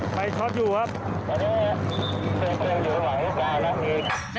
ไฟช็อตอยู่ไว้ก่อนนะ